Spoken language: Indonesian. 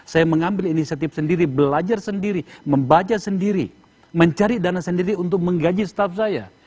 saya mengambil inisiatif sendiri belajar sendiri membaca sendiri mencari dana sendiri untuk menggaji staff saya